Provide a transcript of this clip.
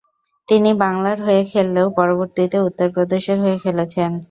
তিনি বাংলার হয়ে খেললেও পরবর্তীতে উত্তর প্রদেশের হয়ে খেলেছেন।